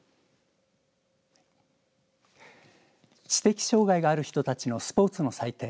知的障害がある人たちのスポーツの祭典